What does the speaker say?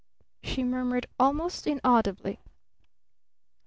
she murmured almost inaudibly.